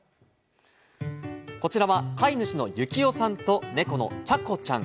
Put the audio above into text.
こちらは、飼い主の幸男さんと猫の茶子ちゃん。